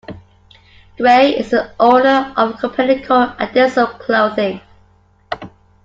Gray is the owner of a company called Adesso Clothing.